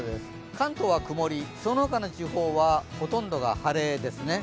関東は曇り、その他の地方はほとんどが晴れですね。